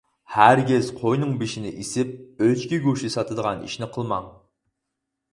ھەرگىز قوينىڭ بېشىنى ئېسىپ ئۆچكە گۆشى ساتىدىغان ئىشنى قىلماڭ.